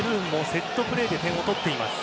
セットプレーで点を取っています。